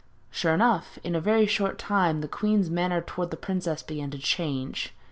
Sure enough, in a very short time the queen's manner towards the princess began to change.